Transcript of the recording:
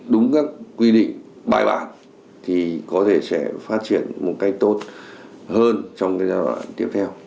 đúng các quy định bài bản thì có thể sẽ phát triển một cách tốt hơn trong giai đoạn tiếp theo